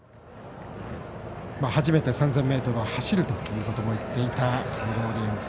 初めて３０００ｍを走るということも言っていたソールオリエンス。